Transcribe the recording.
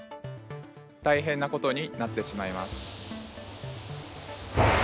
大変なことになってしまいます。